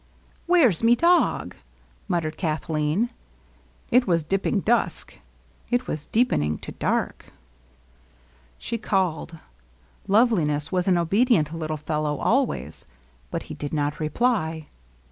"Where's me dog?" muttered Kathleen. It was dipping dusk ; it was deepening to dark. She 14 LOVELINESS. called. Loveliness was an obedient little fellow al ways; but he did not reply.